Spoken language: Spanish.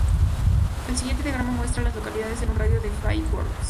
El siguiente diagrama muestra a las localidades en un radio de de Five Forks.